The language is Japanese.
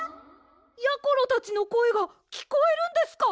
やころたちのこえがきこえるんですか？